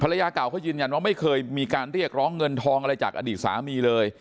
รยาเก่าเขายืนยันว่าไม่เคยมีการเรียกร้องเงินทองอะไรจากอดีตสามีเลย